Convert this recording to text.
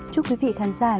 chúc quý vị khán giả